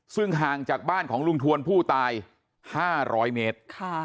ซึ่งห่างจากบ้านของลุงทวนผู้ตาย๕๐๐เมตร